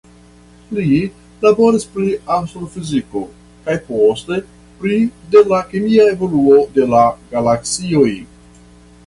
Li laboris pri astrofiziko, kaj poste pri de la kemia evoluo de la galaksioj.